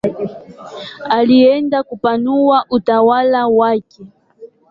Aliendelea kupanua utawala wake.